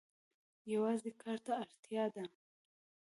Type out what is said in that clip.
یوازې کار ته اړتیا ده.